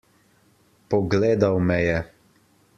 Pogledal me je.